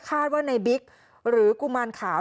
คาดว่าในบิ๊กหรือกุมารขาว